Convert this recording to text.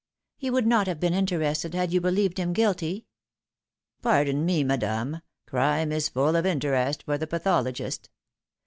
" You would not have been interested had you believed him guilty ?"" Pardon me, madame, crime is full of interest for the pathologist.